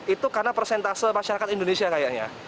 itu karena persentase masyarakat indonesia kayaknya